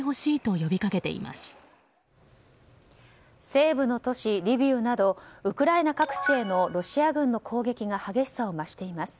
西部の都市リビウなどウクライナ各地へのロシア軍の攻撃が激しさを増しています。